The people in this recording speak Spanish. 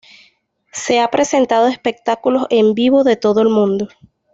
Se ha presentado espectáculos en vivo de todo el mundo.